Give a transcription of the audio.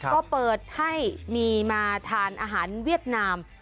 ก็เปิดให้มีมาทานอาหารเวียดนาม